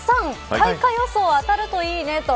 開花予想当たるといいねと。